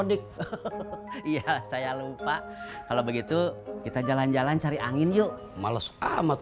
mudik iya saya lupa kalau begitu kita jalan jalan cari angin yuk males amat